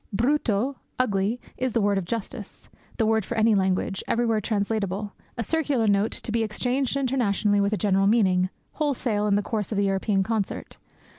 Brutto ugly is the word of justice, the word for any language, everywhere translatable, a circular note, to be exchanged internationally with a general meaning, wholesale, in the course of the European concert.